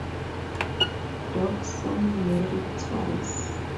Dobson married twice.